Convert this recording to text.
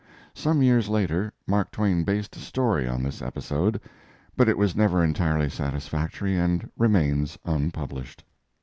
Some years later Mark Twain based a story on this episode, but it was never entirely satisfactory and remains unpublished.